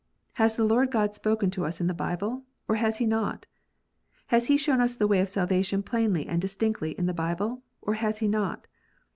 Has the Lord God spoken to us in the Bible, or has He not 1 Has He shown us the way of salvation plainly and distinctly in that Bible, or has He not